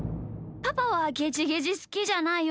パパはゲジゲジすきじゃないよね？